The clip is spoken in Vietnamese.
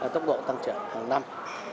tốc độ tăng trở hàng năm